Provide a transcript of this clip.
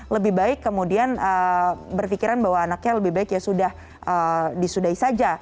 lebih baik kemudian berpikiran bahwa anaknya lebih baik ya sudah disudai saja